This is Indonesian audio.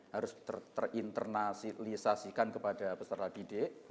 harus terinternasilisasikan kepada peserta didik